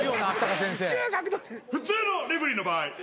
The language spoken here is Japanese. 普通のレフェリーの場合。